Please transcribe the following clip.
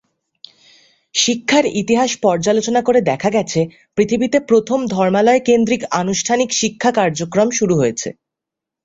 শিক্ষার ইতিহাস পর্যালোচনা করে দেখা গেছে, পৃথিবীতে প্রথম ধর্মালয় কেন্দ্রিক আনুষ্ঠানিক শিক্ষা কার্যক্রম শুরু হয়েছে।